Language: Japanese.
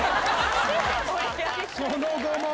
その後も。